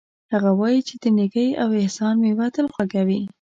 هغه وایي چې د نیکۍ او احسان میوه تل خوږه وي